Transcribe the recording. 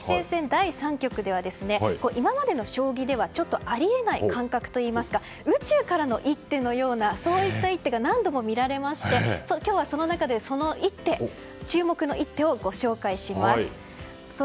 第三局では今までの将棋では、ちょっとあり得ない感覚といいますか宇宙からの一手のような一手が何度も見られまして今日は、その中で注目の一手をご紹介します。